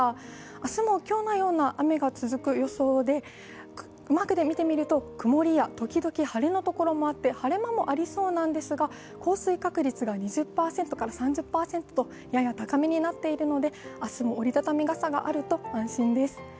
明日も今日のような雨が続く予想で、マークで見てみると、曇りや時々晴れのところもあって晴れ間もありそうなんですが、降水確率が２０％から３０％とやや高めになっているので、明日も折り畳み傘があると安心です。